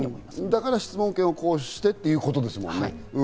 だから質問権を行使してってことですもんね。